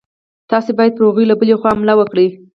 تاسي باید پر هغوی له بلې خوا حمله وکړئ.